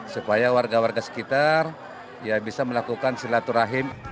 supaya warga warga sekitar ya bisa melakukan silaturahim